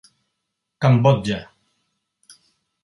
Cambodja.